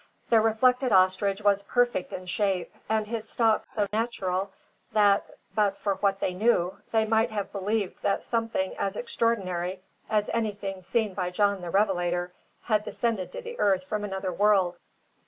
The reflected ostrich was perfect in shape, and his stalk so natural that, but for what they knew, they might have believed that something as extraordinary as anything seen by John the Revelator had descended to the earth from another world.